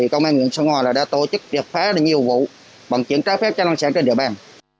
công an huyện sơn hòa đã tổ chức được phá nhiều vụ bằng chuyển trái phép cho năng sản trên địa bàn